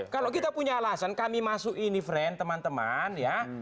kalau kita punya alasan kami masuk ini teman teman